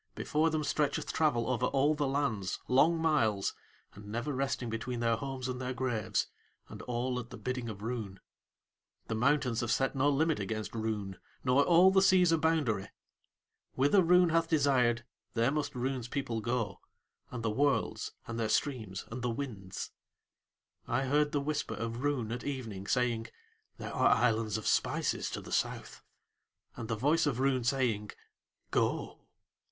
Before them stretcheth travel over all the lands, long miles, and never resting between their homes and their graves and all at the bidding of Roon. The Mountains have set no limit against Roon nor all the seas a boundary. Whither Roon hath desired there must Roon's people go, and the worlds and their streams and the winds. I heard the whisper of Roon at evening, saying: "There are islands of spices to the South," and the voice of Roon saying: "Go."